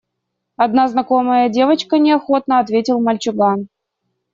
Одна знакомая девочка, – неохотно ответил мальчуган.